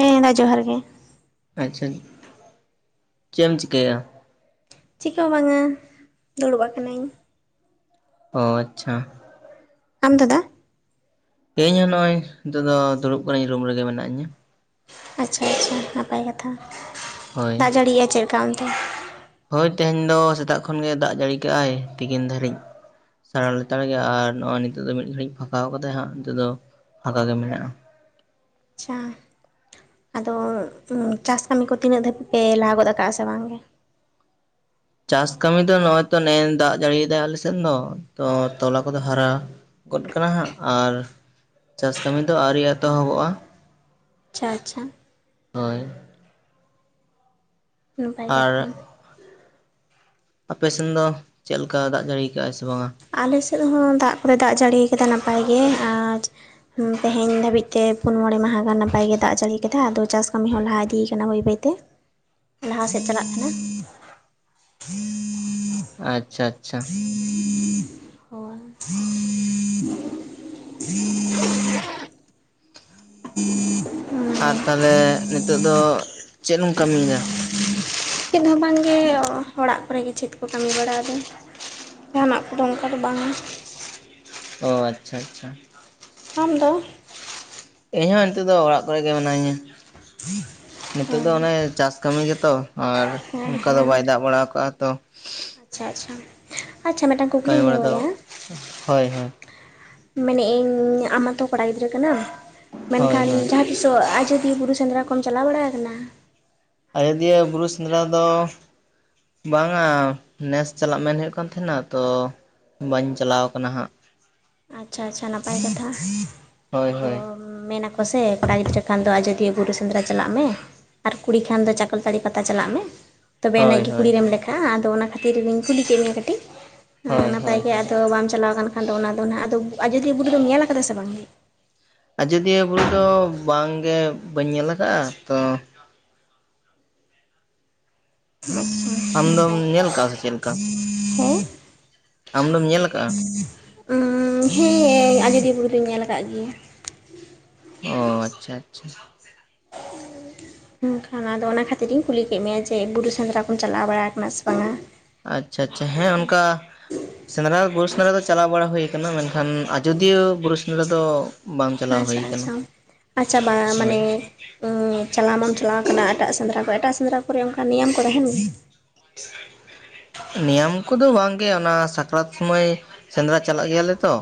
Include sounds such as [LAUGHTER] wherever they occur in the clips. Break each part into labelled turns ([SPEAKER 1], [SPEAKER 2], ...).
[SPEAKER 1] ᱦᱮᱸ ᱫᱟ ᱡᱚᱦᱟᱨ ᱜᱮ᱾
[SPEAKER 2] ᱟᱪᱪᱷᱟ ᱪᱮᱜ ᱮᱢ ᱪᱤᱠᱟᱹᱭᱟ?
[SPEAKER 1] ᱪᱤᱠᱟᱹ ᱦᱚᱸ ᱵᱟᱝᱟ ᱫᱩᱲᱩᱵ ᱟᱠᱟᱱᱟᱹᱧ᱾
[SPEAKER 2] ᱚ ᱟᱪᱪᱷᱟ᱾
[SPEAKER 1] ᱟᱢ ᱫᱟᱫᱟ?
[SPEAKER 2] ᱤᱧ ᱦᱚᱸ ᱱᱚᱜ-ᱚᱭ ᱱᱤᱛᱚᱜ ᱫᱚ ᱫᱩᱲᱩᱵ ᱠᱟᱹᱱᱤᱧ ᱨᱩᱢ ᱨᱮᱜᱮ ᱢᱮᱱᱟᱜ ᱤᱧᱟᱹ᱾
[SPEAKER 1] ᱟᱪᱪᱷᱟ ᱟᱪᱪᱷᱟ ᱱᱟᱯᱟᱭ ᱠᱟᱛᱷᱟ,
[SPEAKER 2] ᱦᱳᱭ
[SPEAKER 1] ᱫᱟᱜ ᱡᱟᱹᱲᱤᱭᱮᱜ-ᱟᱭ ᱪᱮᱫ ᱞᱮᱠᱟ ᱚᱱᱛᱮ?
[SPEAKER 2] ᱦᱳᱭ ᱛᱮᱦᱮᱧ ᱫᱚ ᱥᱮᱛᱟᱜ ᱠᱷᱚᱱ ᱜᱮ ᱫᱟᱜ ᱡᱟᱹᱲᱤ ᱠᱟᱜ-ᱟᱭ ᱛᱤᱠᱤᱱ ᱫᱷᱟᱹᱨᱤᱡ᱾ [INAUDIBLE] ᱞᱮᱛᱟᱲ ᱜᱮᱭᱟ ᱟᱨ ᱱᱚᱜᱚᱭ ᱱᱤᱛᱚᱜ ᱫᱚ ᱢᱤᱫ ᱜᱷᱟᱹᱲᱤᱡ ᱯᱷᱟᱸᱠᱟᱣ ᱠᱟᱫᱟᱭ ᱦᱟᱸᱜ ᱱᱤᱛᱚᱜ ᱫᱚ ᱯᱷᱟᱸᱠᱟ ᱜᱮ ᱢᱮᱱᱟᱜ-ᱟ᱾
[SPEAKER 1] ᱟᱪᱪᱷᱟ ᱟᱫᱚ ᱪᱟᱥ ᱠᱟᱹᱢᱤ ᱠᱚ ᱛᱤᱱᱟᱹᱜ ᱫᱷᱟᱹᱵᱤᱡ ᱯᱮ ᱞᱟᱦᱟ ᱜᱚᱫ ᱠᱟᱜᱼᱟ ᱥᱮ ᱵᱟᱝ ᱜᱮ?
[SPEAKER 2] ᱪᱟᱥ ᱠᱟᱹᱢᱤ ᱫᱚ ᱱᱚᱜᱼᱚᱭ ᱛᱚ ᱱᱮ ᱫᱟᱜ ᱡᱟᱹᱲᱤᱭ ᱫᱟᱭ ᱟᱞᱮ ᱥᱮᱫ ᱫᱚ ᱛᱚ ᱛᱚᱞᱟ ᱠᱚᱫᱚ ᱦᱟᱨᱟ ᱜᱚᱫ ᱠᱟᱱᱟ ᱦᱟᱸᱜ ᱟᱨ ᱪᱟᱥ ᱠᱟᱹᱢᱤ ᱫᱚ ᱟᱣᱨᱤ ᱮᱛᱚᱦᱚᱵᱚᱜᱼᱟ᱾
[SPEAKER 1] ᱟᱪᱪᱷᱟ ᱟᱪᱷᱟ᱾
[SPEAKER 2] ᱦᱳᱭ᱾
[SPEAKER 1] ᱱᱟᱯᱟᱭ
[SPEAKER 2] ᱟᱨ
[SPEAKER 1] ᱠᱟᱛᱷᱟ᱾
[SPEAKER 2] ᱟᱯᱮ ᱥᱮᱱ ᱫᱚ ᱪᱮᱫ ᱞᱮᱠᱟ ᱫᱟᱜ ᱡᱟᱹᱲᱤᱭ ᱠᱟᱜᱼᱟᱭ ᱥᱮ ᱵᱟᱝᱟ?
[SPEAKER 1] ᱟᱞᱮ ᱥᱮᱫ ᱦᱚᱸ ᱫᱟᱜ ᱠᱚ ᱫᱚᱭ ᱫᱟᱜ ᱡᱟᱲᱤᱭ ᱠᱟᱫᱟ ᱱᱟᱯᱟᱭ ᱜᱮ ᱟᱡ ᱦᱩᱸ ᱛᱮᱦᱮᱧ ᱫᱷᱟᱹᱵᱤᱡ ᱛᱮ ᱯᱩᱱ ᱢᱚᱬᱮ ᱢᱟᱦᱟᱸ ᱜᱟᱱ ᱱᱟᱯᱟᱭ ᱜᱮ ᱫᱟᱜ ᱡᱟᱹᱲᱤᱭ ᱠᱟᱫᱟ ᱟᱫᱚ ᱪᱟᱥ ᱠᱟᱹᱢᱤ ᱦᱚᱸ ᱞᱟᱦᱟ ᱤᱫᱤᱭ ᱠᱟᱱᱟ ᱵᱟᱹᱭ ᱵᱟᱹᱭ ᱛᱮ ᱞᱟᱦᱟ ᱥᱮᱫ ᱪᱟᱞᱟᱜ ᱠᱟᱱᱟ᱾
[SPEAKER 2] ᱟᱪᱪᱷᱟ ᱟᱪᱪᱷᱟ᱾
[SPEAKER 1] ᱦᱳᱭ᱾ [UNINTELLIGIBLE]
[SPEAKER 2] ᱟᱨ ᱛᱟᱞᱦᱮ ᱱᱤᱛᱚᱜ ᱫᱚ ᱪᱮᱫ ᱮᱢ ᱠᱟᱹᱢᱤᱭ ᱫᱟ?
[SPEAKER 1] ᱪᱮᱫ ᱦᱚᱸ ᱵᱟᱝ ᱜᱮ ᱚᱲᱟᱜ ᱠᱚᱨᱮ ᱜᱮ ᱪᱷᱮᱫ ᱠᱚ ᱠᱟᱹᱢᱤ ᱵᱟᱲᱟ ᱟᱫᱚ, ᱡᱟᱦᱟᱸ ᱱᱟᱜ ᱠᱚ ᱫᱚ ᱚᱝᱠᱟ ᱫᱚ ᱵᱟᱝ,
[SPEAKER 2] ᱚ ᱟᱪᱪᱷᱟ ᱟᱪᱪᱷᱟ ᱾
[SPEAKER 1] ᱟᱢ ᱫᱚ ᱾
[SPEAKER 2] ᱤᱧ ᱦᱚᱸ ᱱᱤᱛᱚᱜ ᱫᱚ ᱚᱲᱟᱜ ᱠᱚᱨᱮ ᱜᱮ ᱢᱤᱱᱟᱹᱧᱟ ᱱᱤᱛᱳᱜ ᱫᱚ ᱚᱱᱮ ᱪᱟᱥ ᱠᱟᱹᱢᱤ ᱜᱮᱛᱚ ᱟᱨ
[SPEAKER 1] ᱦᱮᱸ
[SPEAKER 2] ᱚᱝᱠᱟ ᱫᱚ
[SPEAKER 1] ᱦᱮᱸ
[SPEAKER 2] ᱵᱟᱭ ᱫᱟᱜ ᱵᱟᱲᱟᱣ ᱠᱟᱜ-ᱟ ᱛᱚ ᱾
[SPEAKER 1] ᱟᱪᱪᱷᱟ ᱟᱪᱪᱷᱟ ᱟᱪᱪᱷᱟ ᱢᱮᱫᱴᱟᱝ
[SPEAKER 2] ᱠᱟᱹᱢᱤ
[SPEAKER 1] ᱠᱩᱠᱞᱤᱧ
[SPEAKER 2] ᱵᱟᱲᱟ ᱫᱚ
[SPEAKER 1] ᱫᱚᱦᱚᱭᱮᱜ-ᱟ
[SPEAKER 2] ᱦᱳᱭ ᱦᱳᱭ
[SPEAKER 1] ᱢᱮᱱᱮᱜ ᱤᱧ ᱟᱢ ᱢᱟᱛᱚ ᱠᱚᱲᱟ ᱜᱤᱫᱽᱨᱟᱹ ᱠᱟᱱᱟᱢ
[SPEAKER 2] ᱦᱳᱭ
[SPEAKER 1] ᱢᱮᱱᱠᱷᱟᱱ
[SPEAKER 2] ᱦᱳᱭ
[SPEAKER 1] ᱡᱟᱦᱟᱸ ᱛᱤᱥᱳ ᱟᱡᱚᱫᱤᱭᱟᱹ ᱵᱩᱨᱩ ᱥᱮᱸᱫᱽᱨᱟ ᱠᱚᱢ ᱪᱟᱞᱟᱣ ᱵᱟᱲᱟ ᱟᱠᱟᱱᱟ?
[SPEAKER 2] ᱟᱡᱚᱫᱤᱭᱟᱹ ᱵᱩᱨᱩ ᱥᱮᱸᱫᱽᱨᱟ ᱫᱚ ᱵᱟᱝᱟ ᱱᱮᱥ ᱪᱟᱞᱟᱜ ᱢᱮᱱ ᱦᱳᱭᱳᱜ ᱠᱟᱱ ᱛᱮᱦᱮᱱᱟ-ᱟ ᱛᱚ ᱵᱟᱹᱧ ᱪᱟᱞᱟᱣ ᱟᱠᱟᱱᱟ ᱦᱟᱸᱜ᱾
[SPEAKER 1] ᱟᱪᱪᱷᱟ ᱟᱪᱪᱷᱟ ᱱᱟᱯᱟᱭ ᱠᱟᱛᱷᱟ
[SPEAKER 2] ᱦᱳᱭ
[SPEAKER 1] ᱟᱫᱚ
[SPEAKER 2] ᱦᱳᱭ
[SPEAKER 1] ᱢᱮᱱᱟ ᱠᱚ ᱥᱮ ᱠᱚᱲᱟ ᱜᱤᱫᱽᱨᱟᱹ ᱠᱷᱟᱱ ᱫᱚ ᱟᱡᱚᱫᱤᱭᱟᱹ ᱵᱩᱨᱩ ᱥᱮᱸᱫᱽᱨᱟ ᱪᱟᱞᱟᱜ ᱢᱮ ᱟᱨ ᱠᱩᱲᱤ ᱠᱷᱟᱱ ᱫᱚ ᱪᱟᱠᱚᱞᱛᱟᱲᱤ ᱯᱟᱛᱟ ᱪᱟᱞᱟᱜ ᱢᱮ ᱛᱚᱵᱮ ᱭᱟᱱᱮᱡ
[SPEAKER 2] ᱦᱳᱭ
[SPEAKER 1] ᱜᱮ ᱠᱩᱲᱤ
[SPEAKER 2] ᱦᱳᱭ
[SPEAKER 1] ᱨᱮᱢ ᱞᱮᱠᱷᱟᱜ-ᱟ ᱟᱫᱚ ᱚᱱᱟ ᱠᱷᱟᱹᱛᱤᱨ ᱜᱤᱧ ᱠᱩᱞᱤ ᱠᱮᱫ ᱢᱮᱭᱟ ᱠᱟᱹᱴᱤᱜ᱾ ᱦᱮᱸ
[SPEAKER 2] ᱦᱳᱭ
[SPEAKER 1] ᱱᱟᱯᱟᱭ
[SPEAKER 2] ᱦᱳᱭ
[SPEAKER 1] ᱜᱮ
[SPEAKER 2] ᱦᱳᱭ
[SPEAKER 1] ᱟᱫᱚ ᱵᱟᱢ ᱪᱟᱞᱟᱣ ᱠᱟᱱ ᱠᱷᱟᱱ ᱫᱚ ᱚᱱᱟ ᱫᱚ ᱦᱟᱸᱜ ᱟᱫᱚ ᱟᱡᱚᱫᱤᱭᱟᱹ ᱵᱩᱨᱩ ᱫᱚᱢ ᱧᱮᱞ ᱠᱟᱫᱟ ᱥᱮ ᱵᱟᱝ ᱜᱮ?
[SPEAKER 2] ᱟᱡᱚᱫᱤᱭᱟᱹ ᱵᱩᱨᱩ ᱫᱚ ᱵᱟᱝ ᱜᱮ ᱵᱟᱹᱧ ᱧᱮᱞ ᱟᱠᱟᱜ-ᱟ ᱛᱚ
[SPEAKER 1] [UNINTELLIGIBLE]
[SPEAKER 2] ᱟᱢ ᱫᱚᱢ
[SPEAKER 1] ᱱᱟᱯᱟᱭ
[SPEAKER 2] ᱧᱮᱞ ᱠᱟᱜ-ᱟ ᱥᱮ ᱪᱮᱫ ᱞᱮᱠᱟ ᱟᱢ ᱫᱚᱢ ᱧᱮᱞ ᱠᱟᱜ-ᱟ ᱾
[SPEAKER 1] [INAUDIBLE] ᱦᱮᱸ [UNINTELLIGIBLE] ᱟᱡᱚᱫᱤᱭᱟᱹ ᱵᱩᱨᱩ ᱫᱩᱧ ᱧᱮᱞ ᱠᱟᱜ ᱜᱤᱭᱟ ᱾
[SPEAKER 2] ᱚ ᱟᱪᱪᱷᱟ ᱟᱪᱪᱷᱟ ᱾
[SPEAKER 1] ᱢᱮᱱ ᱠᱷᱟᱱ ᱟᱫᱚ ᱚᱱᱟ ᱠᱷᱟᱹᱛᱤᱨ ᱤᱧ ᱠᱩᱞᱤ ᱠᱮᱫ ᱢᱮᱭᱟ ᱡᱮ ᱵᱩᱨᱩ ᱥᱮᱸᱫᱽᱨᱟ ᱠᱚᱢ ᱪᱟᱞᱟᱣ ᱵᱟᱲᱟ ᱟᱠᱟᱱᱟ ᱥᱮ ᱵᱟᱝᱟ᱾
[SPEAKER 2] ᱟᱪᱪᱷᱟ
[SPEAKER 1] ᱚᱱᱟ
[SPEAKER 2] ᱟᱪᱪᱷᱟ
[SPEAKER 1] ᱞᱟᱹᱜᱤᱫ
[SPEAKER 2] ᱦᱮᱸ
[SPEAKER 1] ᱛᱮ
[SPEAKER 2] ᱚᱱᱠᱟ ᱥᱮᱸᱫᱽᱨᱟ ᱵᱩᱨᱩ ᱥᱮᱸᱫᱽᱨᱟ ᱫᱚ ᱪᱟᱞᱟᱣ ᱵᱟᱲᱟ ᱦᱳᱭ ᱠᱟᱱᱟ ᱢᱮᱱᱠᱷᱟᱱ ᱟᱡᱚᱫᱤᱭᱟᱹ ᱵᱩᱨᱩ ᱥᱮᱸᱫᱽᱨᱟ ᱫᱚ ᱾
[SPEAKER 1] ᱟᱪᱪᱷᱟ ᱟᱪᱪᱷᱟ ᱟᱪᱪᱷᱟ ᱟᱪᱷᱟ ᱵᱟᱝ-ᱟ
[SPEAKER 2] ᱦᱳᱭ
[SPEAKER 1] ᱢᱟᱱᱮ [INAUDIBLE] ᱪᱟᱞᱟᱣ ᱢᱟᱢ ᱪᱟᱞᱟᱣ ᱠᱟᱱᱟ ᱮᱴᱟᱜ ᱥᱮᱸᱫᱽᱨᱟ ᱠᱚ ᱮᱴᱟᱜ ᱥᱮᱸᱫᱽᱨᱟ ᱠᱚᱨᱮ ᱚᱱᱠᱟ ᱱᱤᱭᱟᱹᱢ ᱠᱚ ᱛᱟᱦᱮᱸᱱ?
[SPEAKER 2] ᱦ [UNINTELLIGIBLE] ᱱᱤᱭᱟᱢ ᱠᱚᱫᱚ ᱵᱟᱝ ᱜᱮ ᱚᱱᱟ ᱥᱟᱠᱨᱟᱛ ᱥᱚᱢᱚᱭ ᱥᱮᱸᱫᱽᱨᱟ ᱪᱟᱞᱟᱜ ᱜᱮᱭᱟᱞᱮ ᱛᱚ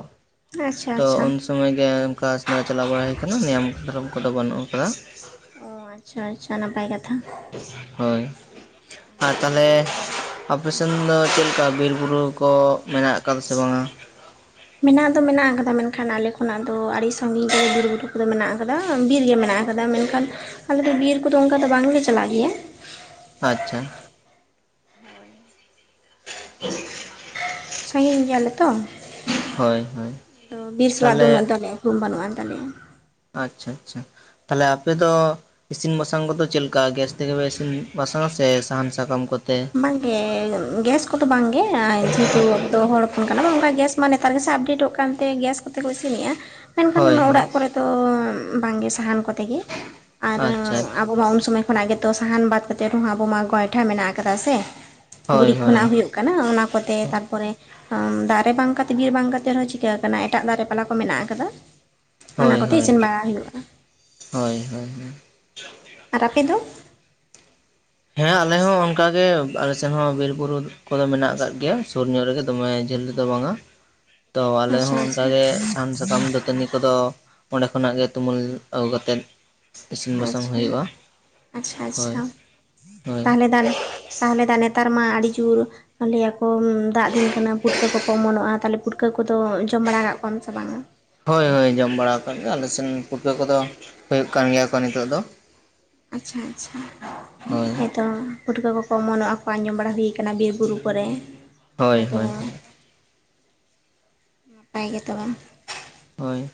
[SPEAKER 1] ᱟᱪᱪᱷᱟ
[SPEAKER 2] ᱛᱚ
[SPEAKER 1] ᱟᱪᱪᱷᱟ
[SPEAKER 2] ᱩᱱ ᱥᱚᱢᱚᱭ ᱜᱮ ᱚᱱᱠᱟ ᱥᱮᱸᱫᱽᱨᱟ ᱪᱟᱞᱟᱣ ᱵᱟᱲᱟ ᱦᱩᱭ ᱠᱟᱱᱟ ᱱᱤᱭᱚᱢ ᱫᱷᱚᱨᱚᱢ ᱠᱚᱫᱚ ᱵᱟᱹᱱᱩᱜ ᱠᱟᱫᱟ ᱾
[SPEAKER 1] ᱚ ᱟᱪᱪᱷᱟ ᱟᱪᱪᱷᱟ ᱱᱟᱯᱟᱭ ᱠᱟᱛᱷᱟᱹ ᱾
[SPEAKER 2] ᱦᱳᱭ ᱟᱨ ᱛᱟᱦᱚᱞᱮ ᱟᱯᱮ ᱥᱮᱱ ᱫᱚ ᱪᱮᱫ ᱞᱮᱠᱟ ᱵᱤᱨᱼᱵᱩᱨᱩ ᱠᱚ ᱢᱮᱱᱟᱜ ᱟᱠᱟᱫᱟ ᱥᱮ ᱵᱟᱝᱟ?
[SPEAKER 1] ᱢᱮᱱᱟᱜ ᱫᱚ ᱢᱮᱱᱟᱜ ᱟᱠᱟᱫᱟ ᱢᱮᱱᱠᱷᱟᱱ ᱟᱞᱮ ᱠᱷᱚᱱᱟᱜ ᱫᱚ ᱟᱹᱰᱤ ᱥᱟ. ᱜᱤᱧ ᱨᱮ ᱵᱤᱨ ᱵᱩᱨᱩ ᱠᱚᱫᱚ ᱢᱮᱱᱟᱜ ᱟᱠᱟᱫᱟ ᱵᱤᱨ ᱜᱮ ᱢᱮᱱᱟᱜ-ᱟ ᱢᱮᱱᱠᱷᱟᱱ ᱟᱞᱮ ᱫᱚ ᱵᱤᱨ ᱠᱚᱫᱚ ᱚᱱᱠᱟ ᱫᱚ ᱵᱟᱝᱞᱮ ᱪᱟᱞᱟᱜ ᱜᱮᱭᱟ ᱾
[SPEAKER 2] ᱟᱪᱪᱷᱟ [UNINTELLIGIBLE]
[SPEAKER 1] ᱥᱟᱺᱜᱤᱧ ᱜᱮᱭᱟᱞᱮ ᱛᱚ
[SPEAKER 2] ᱦᱳᱭ ᱦᱳᱭ
[SPEAKER 1] ᱟᱫᱚ ᱵᱤᱨᱥᱟᱞᱟᱜ ᱫᱚ
[SPEAKER 2] ᱛᱟᱦᱚᱞᱮ
[SPEAKER 1] ᱩᱱᱟᱹ ᱫᱚᱟᱞᱮ ᱨᱩᱢ ᱵᱩᱜ ᱟᱱ ᱛᱟᱞᱮᱭᱟ ᱾
[SPEAKER 2] ᱟᱪᱪᱷᱟ ᱟᱪᱪᱷᱟ ᱛᱟᱦᱚᱞᱮ ᱟᱯᱮ ᱫᱚ ᱤᱥᱤᱱ ᱵᱟᱥᱟᱝ ᱠᱚᱫᱚ ᱪᱮᱫ ᱞᱮᱠᱟ ᱜᱮᱥ ᱛᱮᱜᱮ ᱯᱮ ᱤᱥᱤᱱ ᱵᱟᱥᱟᱝᱼᱟ ᱥᱮ ᱥᱟᱦᱟᱱ ᱥᱟᱠᱟᱢ ᱠᱚᱛᱮ?
[SPEAKER 1] ᱵᱟᱝᱜᱮ ᱜᱮᱥ ᱠᱚᱫᱚ ᱵᱟᱝᱜᱮ ᱡᱮᱦᱮᱛᱩ ᱟᱵᱚ ᱫᱚ ᱦᱚᱲ ᱦᱚᱯᱚᱱ ᱠᱟᱱᱟᱵᱚᱱ ᱚᱱᱠᱟ ᱜᱮᱥ ᱢᱟᱱᱮ ᱱᱮᱛᱟᱨ ᱜᱮᱥᱮ ᱟᱯᱰᱮᱴᱚᱜ ᱠᱟᱱᱛᱮ ᱜᱮᱥ ᱠᱚᱛᱮ ᱠᱚ ᱤᱥᱤᱱᱮᱜᱼᱟ ᱢᱮᱱᱠᱷᱟᱱ
[SPEAKER 2] ᱦᱳᱭ ᱦᱳᱭ
[SPEAKER 1] ᱚᱲᱟᱜ ᱠᱚᱨᱮ ᱫᱚ ᱵᱟᱝᱜᱮ ᱥᱟᱦᱟᱱ ᱠᱚᱛᱮ ᱜᱮ ᱟᱨ
[SPEAKER 2] ᱟᱪᱪᱷᱟ ᱟᱪᱪᱷᱟ
[SPEAKER 1] ᱟᱵᱚ ᱢᱟ ᱩᱱ ᱥᱚᱢᱚᱭ ᱠᱷᱚᱱᱟᱜ ᱜᱮᱛᱚ ᱥᱟᱦᱟᱱ ᱵᱟᱫ ᱠᱟᱛᱮᱫ ᱨᱮᱦᱚᱸ ᱟᱵᱚ ᱢᱟ ᱜᱚᱭᱴᱷᱟ ᱢᱮᱱᱟᱜ ᱟᱠᱟᱫᱟ ᱥᱮ
[SPEAKER 2] ᱦᱳᱭ
[SPEAKER 1] ᱜᱩᱨᱤᱡ
[SPEAKER 2] ᱦᱳᱭ
[SPEAKER 1] ᱠᱷᱚᱱᱟᱜ ᱦᱩᱭᱩᱜ ᱠᱷᱚᱱᱟ ᱦᱩᱭᱩᱜ ᱠᱟᱱᱟ ᱚᱱᱟ ᱠᱚᱛᱮ ᱛᱟᱨᱯᱚᱨᱮ ᱫᱟᱨᱮ ᱵᱟᱝ ᱠᱟᱛᱮᱫ ᱵᱤᱨ ᱵᱟᱝ ᱠᱟᱛᱮᱫ ᱨᱮᱦᱚᱸ ᱪᱤᱠᱟᱹ ᱠᱟᱱᱟ ᱮᱴᱟᱜ ᱫᱟᱨᱮ ᱯᱟᱞᱟ ᱠᱚ ᱢᱮᱱᱟᱜ ᱟᱠᱟᱫᱟ ᱾
[SPEAKER 2] ᱦᱳᱭ ᱦᱳᱭ ᱦᱳᱭ ᱦᱳᱭ ᱾
[SPEAKER 1] ᱟᱨ ᱟᱯᱮ ᱫᱚ?
[SPEAKER 2] ᱦᱮᱸ ᱟᱞᱮ ᱦᱚᱸ ᱚᱱᱠᱟᱜ ᱜᱮ ᱟᱞᱮᱥᱮᱜ ᱦᱚᱸ ᱵᱤᱨ ᱵᱩᱨᱩ ᱠᱚᱫᱚ ᱢᱮᱱᱟᱜ ᱟᱠᱟᱫ ᱜᱮᱭᱟ ᱥᱩᱨ ᱧᱚᱜ ᱨᱮᱜᱮ ᱫᱚᱢᱮ ᱡᱷᱟᱹᱞ ᱫᱚ ᱵᱟᱝᱟ ᱛᱚ ᱟᱞᱮ
[SPEAKER 1] ᱟᱪᱪᱷᱟ
[SPEAKER 2] ᱦᱚᱸ
[SPEAKER 1] ᱟᱪᱪᱷᱟ
[SPEAKER 2] ᱚᱱᱠᱟᱜᱮ ᱥᱟᱦᱟᱱ ᱥᱟᱠᱟᱢ ᱫᱟᱹᱛᱟᱹᱱᱤ ᱠᱚᱫᱚ ᱚᱸᱰᱮ ᱠᱷᱚᱱᱟᱜ ᱜᱮ ᱛᱩᱢᱟᱹᱞ ᱟᱹᱜᱩ ᱠᱟᱛᱮᱫ ᱤᱥᱤᱱ ᱵᱟᱥᱟᱝ
[SPEAKER 1] ᱟᱪᱪᱷᱟ
[SPEAKER 2] ᱦᱩᱭᱩᱜᱼᱟ
[SPEAKER 1] ᱟᱪᱪᱷᱟ
[SPEAKER 2] ᱦᱳᱭ
[SPEAKER 1] ᱟᱪᱪᱷᱟ
[SPEAKER 2] ᱦᱳᱭ
[SPEAKER 1] [UNINTELLIGIBLE] ᱛᱟᱦᱚᱞᱮ ᱫᱚ ᱱᱮᱛᱟᱨ ᱢᱟ ᱟᱹᱰᱤ ᱡᱩᱨ ᱞᱟᱹᱭ ᱟᱠᱚ ᱫᱟᱜ ᱫᱤᱱ ᱠᱟᱱᱟ ᱯᱩᱴᱠᱟᱹ ᱠᱚᱠᱚ ᱚᱢᱚᱱᱚᱜᱼᱟ ᱛᱟᱦᱞᱮ ᱯᱩᱴᱠᱟᱹ ᱠᱚᱫᱚ ᱡᱚᱢ ᱵᱟᱲᱟ ᱟᱠᱟᱫ ᱠᱚᱣᱟᱢ ᱥᱮ ᱵᱟᱝᱟ
[SPEAKER 2] ᱦᱳᱭ ᱦᱳᱭ ᱡᱚᱢ ᱵᱟᱲᱟ ᱟᱠᱟᱫ ᱜᱮᱭᱟ ᱟᱞᱮ ᱥᱮᱱ ᱯᱩᱴᱠᱟ. ᱠᱚᱫᱚ ᱦᱩᱭᱩᱜ ᱠᱟᱱ ᱜᱮᱭᱟ ᱠᱚ ᱱᱤᱛᱚᱜ ᱫᱚ
[SPEAKER 1] ᱟᱪᱪᱷᱟ ᱟᱪᱪᱷᱟ ᱦᱳᱭ ᱛᱚ ᱯᱩᱴᱠᱟ. ᱠᱚᱠᱚ ᱚᱢᱚᱱᱚᱜᱼᱟ ᱠᱚ ᱟᱸᱡᱚᱢ ᱵᱟᱲᱟ ᱦᱩᱭ ᱠᱟᱱᱟ ᱵᱤᱨᱵᱩᱨᱩ ᱠᱚᱨᱮ
[SPEAKER 2] ᱦᱳᱭ
[SPEAKER 1] ᱟᱫᱚ
[SPEAKER 2] ᱦᱳᱭ
[SPEAKER 1] ᱱᱟᱯᱟᱭ ᱜᱮ ᱛᱚᱵᱮ
[SPEAKER 2] ᱦᱳᱭ